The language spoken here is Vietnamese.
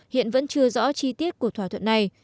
hiện vẫn chưa rõ chi tiết của thỏa thuận này